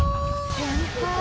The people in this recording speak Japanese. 「先輩！」